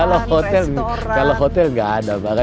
kalau hotel kalau hotel tidak ada pak